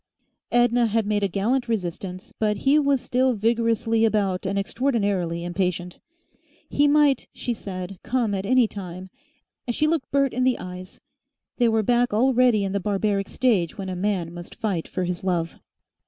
Edna had made a gallant resistance, but he was still vigorously about and extraordinarily impatient. He might, she said, come at any time, and she looked Bert in the eyes. They were back already in the barbaric stage when a man must fight for his love.